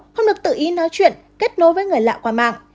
không được tự ý nói chuyện kết nối với người lạ qua mạng